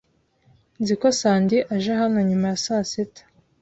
Nzi ko Sandy aje hano nyuma ya saa sita.